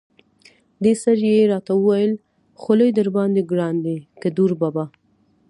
دې سره یې را ته وویل: خولي درباندې ګران دی که دوربابا.